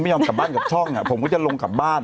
กลับบ้านกับช่องผมก็จะลงกลับบ้าน